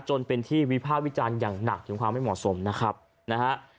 จนเป็นที่วิภาควิจารณ์อย่างหนักถึงความไม่เหมาะสมนะครับนะฮะ